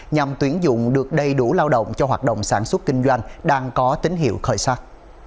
nhằm tuyển dụng được đầy đủ lao động cho hoạt động sản xuất kinh doanh đang có tín hiệu khởi sắc